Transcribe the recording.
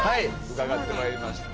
伺ってまいりました。